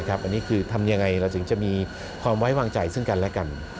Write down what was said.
อันนี้คือทำยังไงเราถึงจะมีความไว้วางใจซึ่งกันและกัน